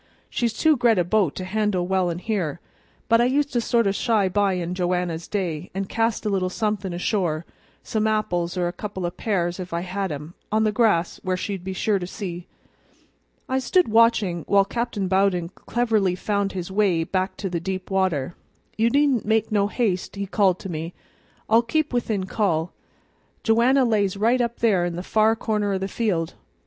"She's too gre't a boat to handle well in here; but I used to sort of shy by in Joanna's day, an' cast a little somethin' ashore some apples or a couple o' pears if I had 'em on the grass, where she'd be sure to see." I stood watching while Captain Bowden cleverly found his way back to deeper water. "You needn't make no haste," he called to me; "I'll keep within call. Joanna lays right up there in the far corner o' the field.